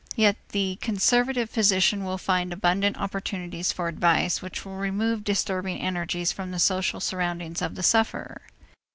Yet even the conservative physician will find abundant opportunities for advice which will remove disturbing energies from the social surroundings of the sufferer.